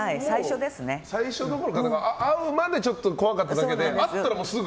最初どころか、会うまで怖かっただけで、会ったらすぐ？